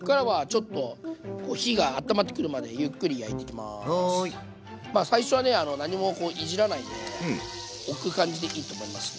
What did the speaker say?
まあ最初はね何もいじらないで置く感じでいいと思いますね。